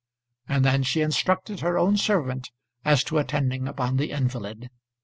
And then she instructed her own servant as to attending upon the invalid.